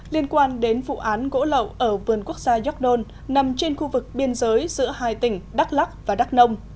liên quan đến vụ án gỗ lậu ở vườn quốc gia york nôn nằm trên khu vực biên giới giữa hai tỉnh đắk lắc và đắk nông